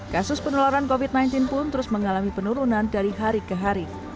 kasus penularan covid sembilan belas pun terus mengalami penurunan dari hari ke hari